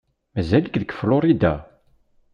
Mazal-ik deg Florida?